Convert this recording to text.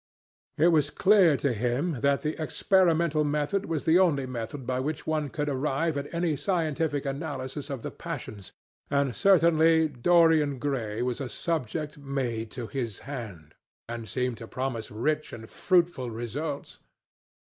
It was clear to him that the experimental method was the only method by which one could arrive at any scientific analysis of the passions; and certainly Dorian Gray was a subject made to his hand, and seemed to promise rich and fruitful results.